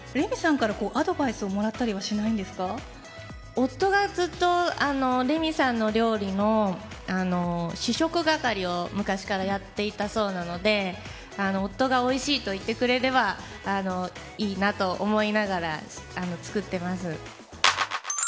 夫がずっとレミさんの料理の試食係を昔からやっていたそうなので夫がおいしいと言ってくれればいいなと思いながら作ってます。